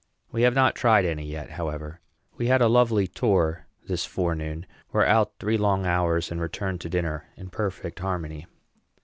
We have not tried any yet, however. We had a lovely tour this forenoon, were out three long hours, and returned to dinner in perfect harmony.